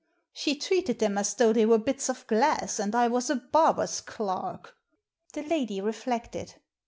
She treated them as though they were bits of glass, and I was a barber's clerk." The lady reflected.